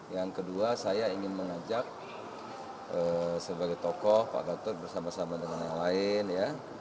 yang kedua saya ingin mengajak sebagai tokoh pak gatot bersama sama dengan yang lain ya